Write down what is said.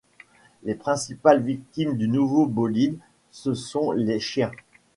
Les principales victimes du nouveau bolide, ce sont les chiens.